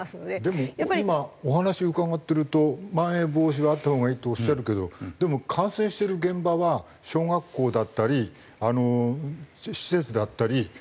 でも今お話伺ってるとまん延防止があった方がいいとおっしゃるけどでも感染してる現場は小学校だったり施設だったり。